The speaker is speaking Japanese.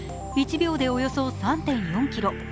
１秒でおよそ３．４キロ